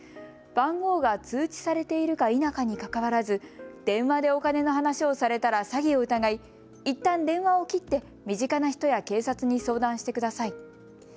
番号が通知されているか否かにかかわらず電話でお金の話をされたら詐欺を疑いいったん電話を切って身近な人や警察に相談してください。